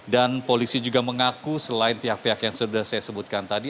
dan polisi juga mengaku selain pihak pihak yang sudah saya sebutkan tadi